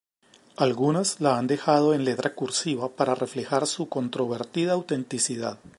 Algunas la han dejado en letra cursiva para reflejar su controvertida autenticidad.